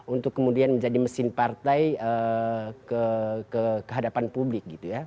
untuk kemudian menjadi mesin partai kehadapan publik gitu ya